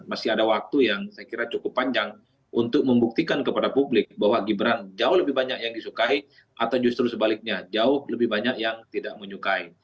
masih ada waktu yang saya kira cukup panjang untuk membuktikan kepada publik bahwa gibran jauh lebih banyak yang disukai atau justru sebaliknya jauh lebih banyak yang tidak menyukai